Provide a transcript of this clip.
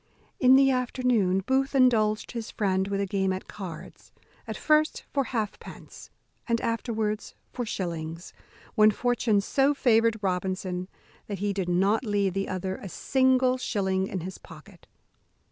In the afternoon Booth indulged his friend with a game at cards; at first for halfpence and afterwards for shillings, when fortune so favoured Robinson that he did not leave the other a single shilling in his pocket.